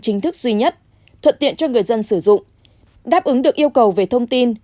chính thức duy nhất thuận tiện cho người dân sử dụng đáp ứng được yêu cầu về thông tin